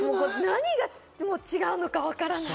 何が違うのかわからない。